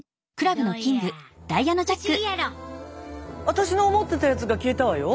私の思ってたやつが消えたわよ。